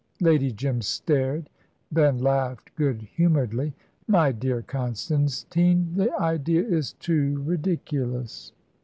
Lady Jim stared, then laughed good humouredly. "My dear Constantine, the idea is too ridiculous."